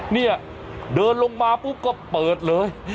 เนี่ยเดินลงมาปุ๊บก็เปิดเลย